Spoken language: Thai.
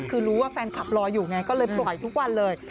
คือรู้ว่าแฟนคลับรออยู่ไงก็เลยปล่อยทุกวันเลย